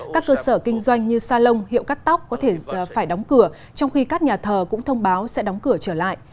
các cơ sở kinh doanh như salon hiệu cắt tóc có thể phải đóng cửa trong khi các nhà thờ cũng thông báo sẽ đóng cửa trở lại